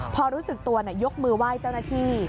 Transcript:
พอรู้สึกตัวยกมือไหว้เจ้าหน้าที่